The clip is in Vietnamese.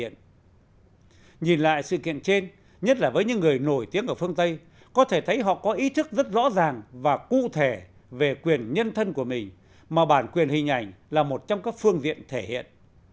nhìn lại sự kiện trên nhất là với những người nổi tiếng ở phương tây có thể thấy họ có ý thức rất rõ ràng và cụ thể về quyền nhân thân của mình mà bản quyền hình ảnh là một trong các phương diện thể hiện